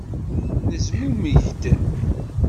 Nezmumeg-d.